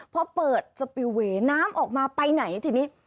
พอเปิดสปิลเวย์น้ำออกมาไปไหนทีนี้